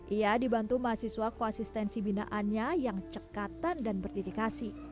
ia dibantu mahasiswa koasistensi binaannya yang cekatan dan berdidikasi